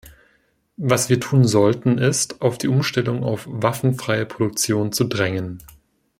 Was wir tun sollten, ist, auf die Umstellung auf waffenfreie Produktion zu drängen.